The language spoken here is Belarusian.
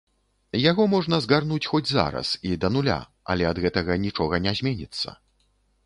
Яго можна згарнуць хоць зараз, і да нуля, але ад гэтага нічога не зменіцца.